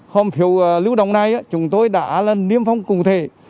hòm phiếu lưu động này chúng tôi đã niêm phong cụ thể